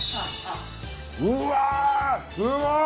うわぁすごい！